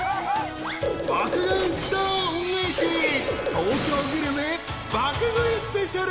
［東京グルメ爆食いスペシャル］